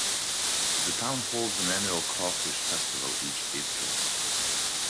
The town holds an annual Crawfish Festival each April.